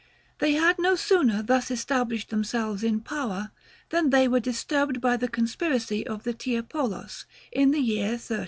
They had no sooner thus established themselves in power than they were disturbed by the conspiracy of the Tiepolos, in the year 1310.